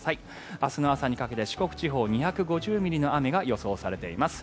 明日の朝にかけて四国地方２５０ミリの雨が予想されています。